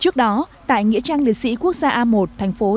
trước đó tại nghĩa trang liên sĩ quốc gia a một